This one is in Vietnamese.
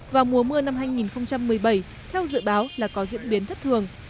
vào mùa mưa năm hai nghìn một mươi bảy theo dự báo là có diễn biến thất thường